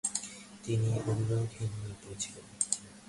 তিনি অভিভাবকহীন হয়ে পড়েছিলেন।